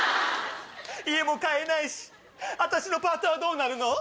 家も買えないし私のパートはどうなるの？